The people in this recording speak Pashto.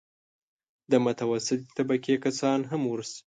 د متوسطې طبقې کسان هم ورشي.